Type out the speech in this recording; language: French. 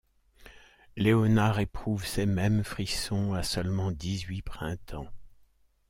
Léonard éprouve ces mêmes frissons à seulement dix-huit printemps.